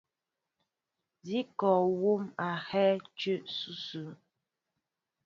Sí kɔ wóm a hɛ́ɛ́ jə̂ ǹsʉsʉ.